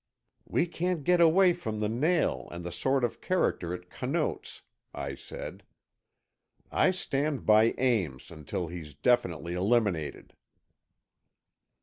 "We can't get away from the nail and the sort of character it connotes," I said. "I stand by Ames until he's definitely eliminated."